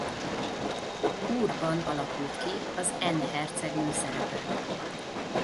Ur-ban alakult ki az En-hercegnő szerepe.